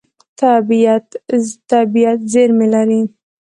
طبیعت زېرمې لري.